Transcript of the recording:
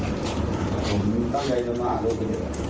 นี่ตั้งแต่ออกมาแล้วเคยเจอหน้าลูกไหม